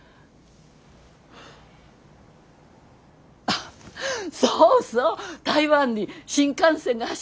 あっそうそう台湾に新幹線が走るんでしょ。